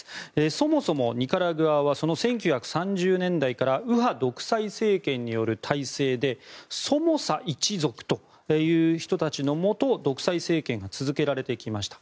そもそもニカラグアは１９３０年代から右派独裁政権による体制でソモサ一族という人たちのもと独裁政権が続けられてきました。